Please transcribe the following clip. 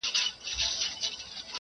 دا د هجر شپې به ټولي پرې سبا کړو-